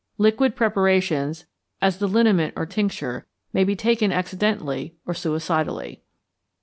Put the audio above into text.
Liquid preparations, as the liniment or tincture, may be taken accidentally or suicidally.